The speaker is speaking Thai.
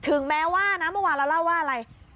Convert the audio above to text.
ถึงแม้ว่านะเมื่อวานเราเล่าว่าอะไร